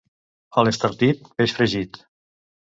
A l'Estartit, peix fregit.